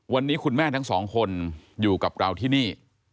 วันนี้คุณแม่ทั้งสองคนอยู่กับเราที่นี่